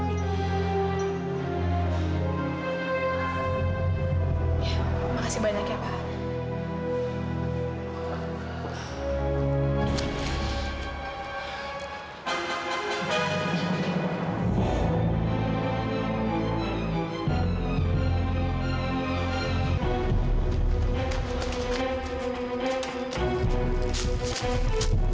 makasih banyak ya pak